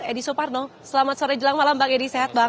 edi suparno selamat sore jelang malam bang edi sehat bang